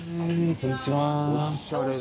こんにちは。